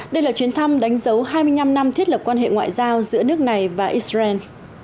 đây là chuyến thăm đánh dấu hai mươi năm năm thiết lập quan hệ ngoại giao giữa nước này và israel